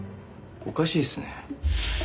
おかしいっすね。